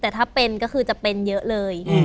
แต่ถ้าเป็นก็คือจะเป็นเยอะเลย